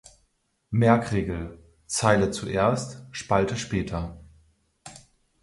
Merkregel: "Zeile zuerst, Spalte später.